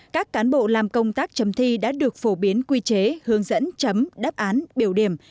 các cán bộ làm công tác chấm thi đã được phổ biến quy chế hướng dẫn chấm đáp án biểu điểm